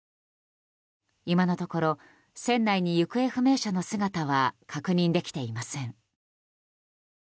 今のところ船内に行方不明者の姿は確認できていません。